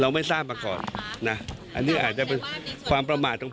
เราไม่ทราบอันนี้อาจจะเป็นความประมาทของผม